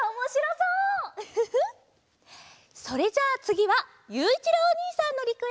それじゃあつぎはゆういちろうおにいさんのリクエストです。